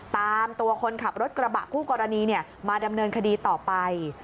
ตามตัวคนขับรถกระบะคู่กรณีมาดำเนินคดีต่อไป